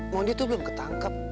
mon dia tuh belum ketangkep